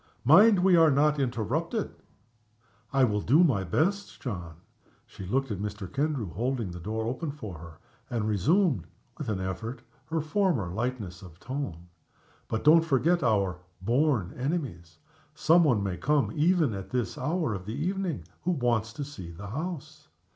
"Mind we are not interrupted!" "I will do my best, John." She looked at Mr. Kendrew, holding the door open for her; and resumed, with an effort, her former lightness of tone. "But don't forget our 'born enemies!' Somebody may come, even at this hour of the evening, who wants to see the house."